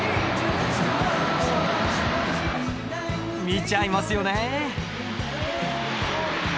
見ちゃいますよね。